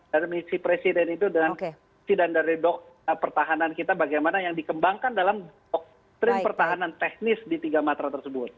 dan misi presiden itu dengan sidang dari dokter pertahanan kita bagaimana yang dikembangkan dalam dokter pertahanan teknis di tiga matra tersebut